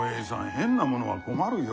変なものは困るよ。